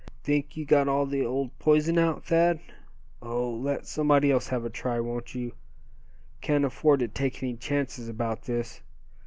"Think you got all the old poison out, Thad? Oh! let somebody else have a try, won't you? Can't afford to take any chances about this.